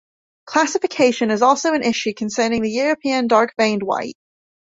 Classification is also an issue concerning the European dark-veined white.